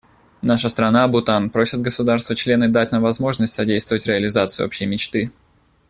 Наша страна, Бутан, просит государства-члены дать нам возможность содействовать реализации общей мечты.